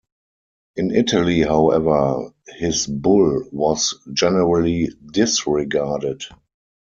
In Italy, however, his bull was generally disregarded.